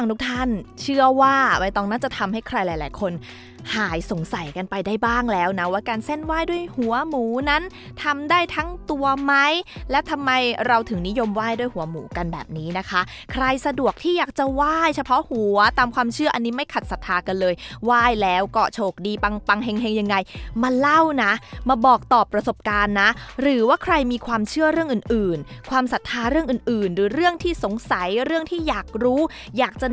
ทุกท่านเชื่อว่าไม่ต้องน่าจะทำให้ใครหลายหลายคนหายสงสัยกันไปได้บ้างแล้วนะว่าการเส้นไหว้ด้วยหัวหมูนั้นทำได้ทั้งตัวไหมและทำไมเราถึงนิยมไหว้ด้วยหัวหมูกันแบบนี้นะคะใครสะดวกที่อยากจะไหว้เฉพาะหัวตามความเชื่ออันนี้ไม่ขัดศรัทธากันเลยไหว้แล้วก็โฉกดีปังปังแห่งแห่งยังไงมาเล่านะมาบอก